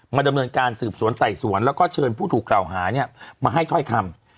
ดำเนินการสืบสวนไต่สวนแล้วก็เชิญผู้ถูกกล่าวหาเนี่ยมาให้ถ้อยคำ